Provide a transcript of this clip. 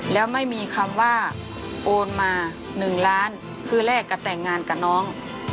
แล้วไม่มีคำว่าโอนมา๑ล้านคือแรกก็แต่งงานกับน้อง